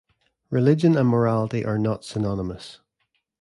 Religion and morality are not synonymous.